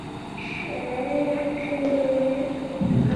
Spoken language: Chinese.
显示是次澳门地球物理暨气象局未有悬挂三号风球做法错误。